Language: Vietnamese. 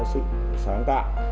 sự sáng tạo